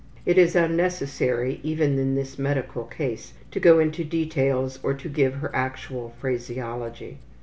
It is unnecessary, even in this medical case, to go into details or to give her actual phraseology.